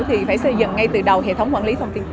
thì phải xây dựng ngay từ đầu hệ thống quản lý thông tin